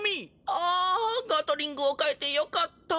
ああガトリングを買えてよかった！